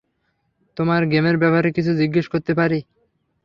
তোমার গেমের ব্যাপারে কিছু জিজ্ঞেস করতে পারি?